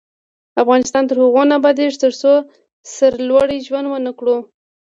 افغانستان تر هغو نه ابادیږي، ترڅو سرلوړي ژوند ونه کړو.